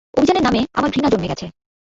অভিযানের নামে আমার ঘৃণা জন্মে গেছে।